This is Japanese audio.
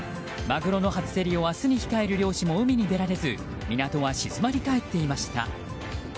マグロの初競りを明日に控える漁師も海に出られず港は静まり返っていました。